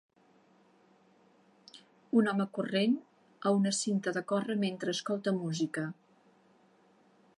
Un home corrent a una cinta de córrer mentre escolta música